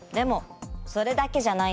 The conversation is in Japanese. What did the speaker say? えっそれだけじゃない？